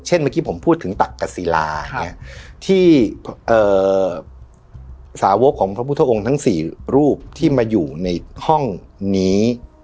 เมื่อกี้ผมพูดถึงตักกษีลาที่สาวกของพระพุทธองค์ทั้ง๔รูปที่มาอยู่ในห้องนี้